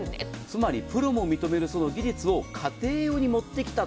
つまりプロも認めるその技術を家庭用に持ってきた。